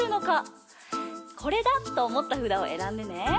これだ！とおもったふだをえらんでね。